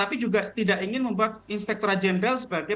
ingin membuat inspektora jenderal sebagai